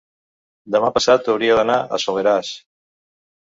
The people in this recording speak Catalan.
demà passat hauria d'anar al Soleràs.